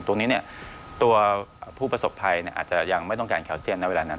ตัวนี้ตัวผู้ประสบภัยอาจจะยังไม่ต้องการแคลเซียนในเวลานั้น